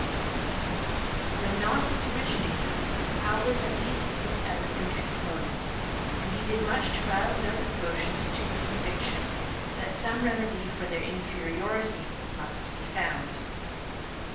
But though not its originator, Howe was at least its eloquent exponent, and he did much to rouse Nova Scotians to the conviction that some remedy for their inferiority must be found.